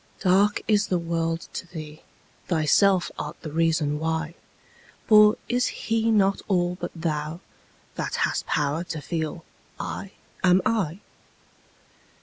Dark is the world to thee: thyself art the reason why; For is He not all but thou, that hast power to feel 'I am I'?